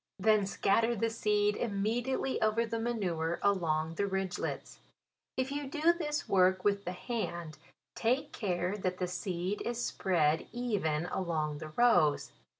Then scatter the seed immediately over the ma nure along the ridglets. If you do this work with the hand, take care that the seed is spread even along the rows.